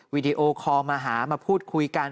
วิดีโอคอลมาหามาพูดคุยกัน